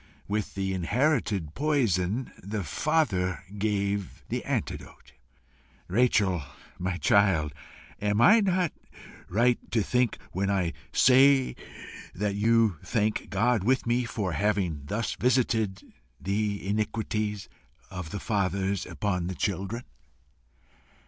With the inherited poison, the Father gave the antidote. Rachel, my child, am I not right when I say that you thank God with me for having THUS visited the iniquities of the fathers upon the children?"